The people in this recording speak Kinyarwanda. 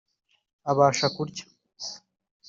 abasha kurya